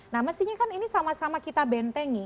nah mestinya kan ini sama sama kita bentengi